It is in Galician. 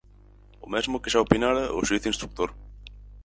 O mesmo que xa opinara o Xuíz Instrutor.